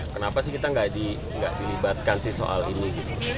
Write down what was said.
kenapa sih kita nggak dilibatkan sih soal ini